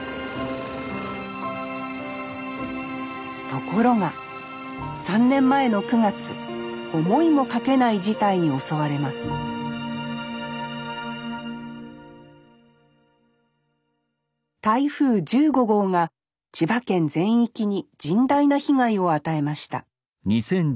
ところが３年前の９月思いもかけない事態に襲われます台風１５号が千葉県全域に甚大な被害を与えました。